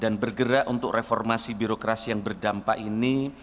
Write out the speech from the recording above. dan bergerak untuk reformasi birokrasi yang berdampak ini